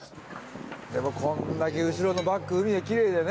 でもこんだけ後ろのバック海できれいでね。